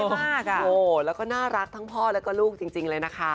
มากอ่ะแล้วก็น่ารักทั้งพ่อแล้วก็ลูกจริงเลยนะคะ